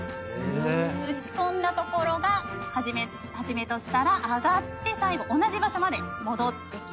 うちこんだ所が始めとしたら上がって最後同じ場所まで戻ってきます。